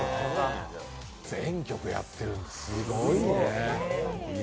全曲やってるってすごいね。